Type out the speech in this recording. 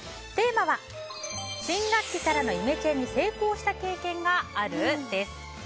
テーマは新学期からのイメチェンに成功した経験がある？です。